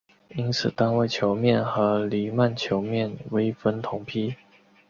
因此单位球面和黎曼球面微分同胚。